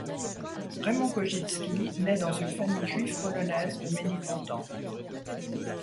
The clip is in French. Raymond Kojitsky naît dans une famille juive polonaise de Ménilmontant.